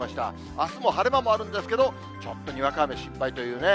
あすも晴れ間もあるんですけど、ちょっとにわか雨心配というね、